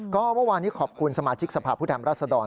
ก็เมื่อวานนี้ขอบคุณสมาชิกสภาพพุทธธรรมรัฐศดร